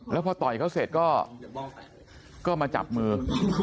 แล้วพอต่อยเขาเสร็จก็มาจับมือ